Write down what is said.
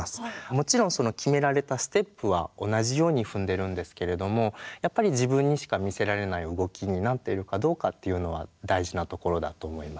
もちろん決められたステップは同じように踏んでるんですけれどもやっぱり自分にしか見せられない動きになってるかどうかっていうのは大事なところだと思います。